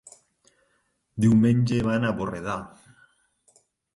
Diumenge van a Borredà.